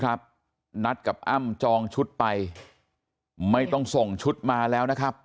นัดกับอ้ำจองชุดไปไม่ต้องส่งชุดมาแล้วนะครับ